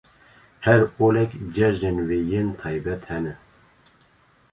Her olek cejinên wê yên taybet hene.